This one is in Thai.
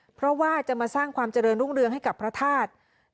เพราะว่าจะมาสร้างความเจริญรุ่งเรืองให้กับพระธาตุ